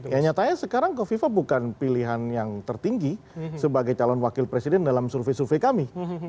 ya nyatanya sekarang kofifa bukan pilihan yang tertinggi sebagai calon wakil presiden dalam survei survei kami